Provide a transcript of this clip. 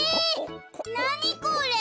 なにこれ？